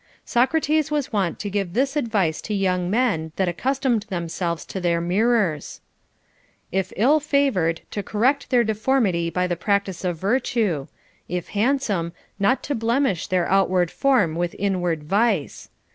Socrates was wont to give this advice to young men that accustomed themselves to their mirrors :— if ill fa vored, to correct their deformity by the practice of virtue ; if handsome, not to blemish their outward form with in ward vice.